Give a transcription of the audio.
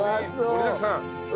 盛りだくさん。